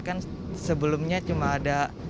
kan sebelumnya cuma ada